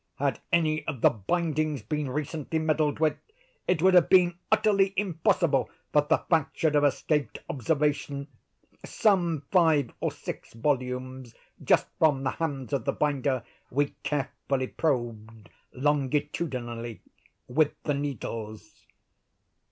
Had any of the bindings been recently meddled with, it would have been utterly impossible that the fact should have escaped observation. Some five or six volumes, just from the hands of the binder, we carefully probed, longitudinally, with the needles."